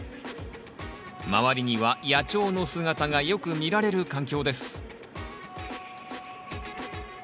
周りには野鳥の姿がよく見られる環境です